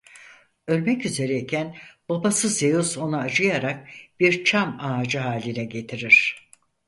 Ölmek üzereyken babası Zeus ona acıyarak bir çam ağacı haline getirir.